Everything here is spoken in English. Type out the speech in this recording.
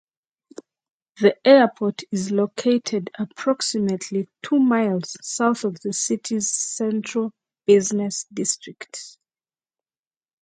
The airport is located approximately two miles south of the city's central business district.